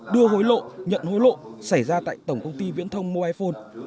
đưa hối lộ nhận hối lộ xảy ra tại tổng công ty viễn thông mobile phone